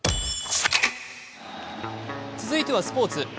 続いてはスポーツ。